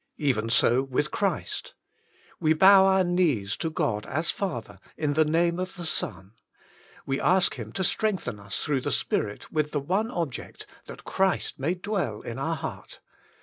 Even so with Christ. We bow our knees to God as Father in the name of the Son. We ask Him to strengthen us through the Spirit with the one object, that Christ may dwell in our heart.